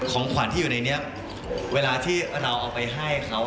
ของขวัญที่อยู่ในนี้เวลาที่เราเอาไปให้เขา